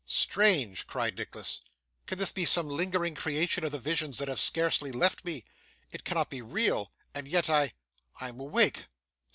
'Strange!' cried Nicholas; 'can this be some lingering creation of the visions that have scarcely left me! It cannot be real and yet I I am awake!